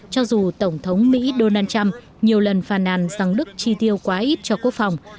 cho dù tổng thống mỹ donald trump nhiều lần phàn nàn rằng đức chi tiêu quá ít cho quốc phòng